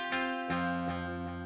kalo diambil semua